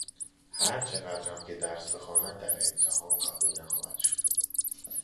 هرچقدر هم که درس بخواند در امتحان قبول نخواهد شد.